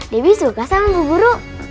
dewi suka sama bu guru